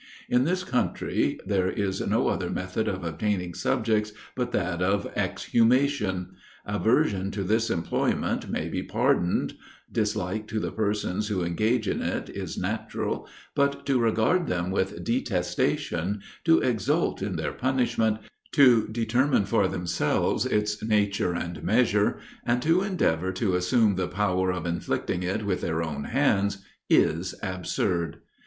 In this country, there is no other method of obtaining subjects but that of exhumation: aversion to this employment may be pardoned: dislike to the persons who engage in it is natural, but to regard them with detestation, to exult in their punishment, to determine for themselves its nature and measure, and to endeavor to assume the power of inflicting it with their own hands, is absurd.